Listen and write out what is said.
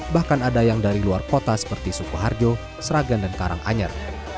bahkan ada yang dari luar kota seperti sukoharjo seragan dan karanganyar